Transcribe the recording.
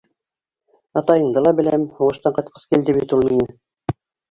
Атайыңды ла беләм, һуғыштан ҡайтҡас килде бит ул миңә...